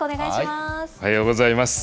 おはようございます。